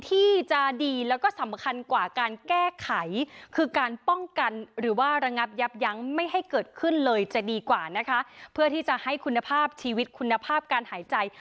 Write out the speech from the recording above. ที่จะให้คุณภาพชีวิตคุณภาพการหายใจ